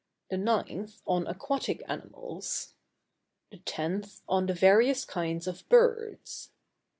The 9th on Aquatic Animals. The 10th on the various kinds of Birds.